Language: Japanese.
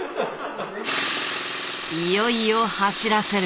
いよいよ走らせる。